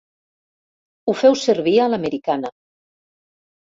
Ho feu servir a l'americana.